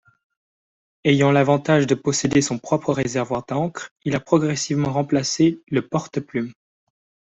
Ayant l'avantage de posséder son propre réservoir d'encre, il a progressivement remplacé le porte-plume.